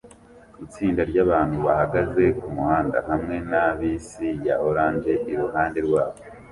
itsinda ryabantu bahagaze kumuhanda hamwe na bisi ya orange iruhande rwabo